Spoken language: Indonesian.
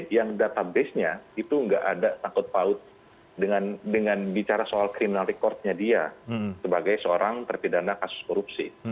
yang databasenya itu tidak ada tangkut paut dengan bicara soal criminal record nya dia sebagai seorang terpidana kasus korupsi